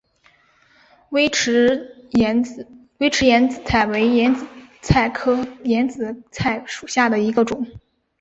微齿眼子菜为眼子菜科眼子菜属下的一个种。